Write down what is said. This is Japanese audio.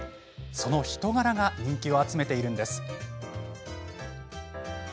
その人柄が人気を集めているんです。